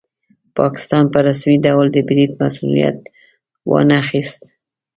پاکستان په رسمي ډول د برید مسوولیت وانه خیست.